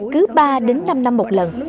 cứ ba đến năm năm một lần